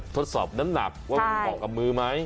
ทดสอบน้ำหนักว่ามันเหมาะกับมือไหม